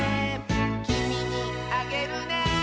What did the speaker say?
「きみにあげるね」